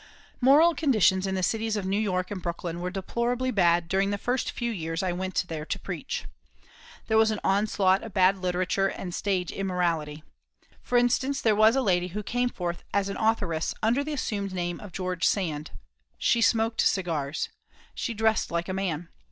Moral conditions in the cities of New York and Brooklyn were deplorably bad during the first few years I went there to preach. There was an onslaught of bad literature and stage immorality. For instance, there was a lady who came forth as an authoress under the assumed name of George Sand. She smoked cigars. She dressed like a man.